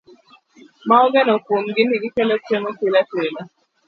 Ma ogeno kuomgi ni gikelo chiemo pilepile